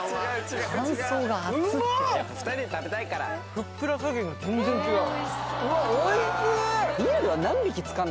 ふっくら加減が全然違う。